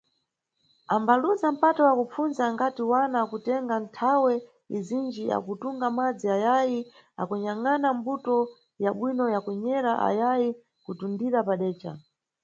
Ambaluza mpata wa kupfundza angati wana akutenga nthawe izinji akutunga madzi ayayi akunyangʼana mbuto ya bwino ya kunyera ayayi kutundira padeca.